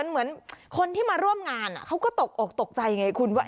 เหมือนคนที่มาร่วมงานเขาก็ตกอกตกใจไงคุณว่า